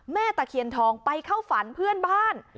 ตะเคียนทองไปเข้าฝันเพื่อนบ้าน